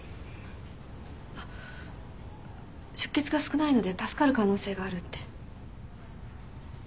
あっ出血が少ないので助かる可能性があるって。